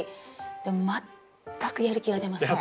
でも全くやる気が出ません！